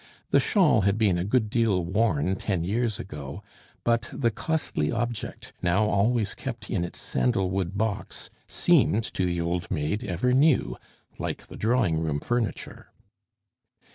The shawl had been a good deal worn ten years ago; but the costly object, now always kept in its sandal wood box, seemed to the old maid ever new, like the drawing room furniture.